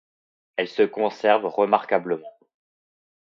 Elle se conserve remarquablement.